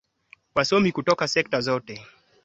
wasomi kutoka sekta za maendeleo vijijini